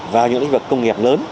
vào những lĩnh vực công nghiệp